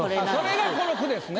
それがこの句ですね。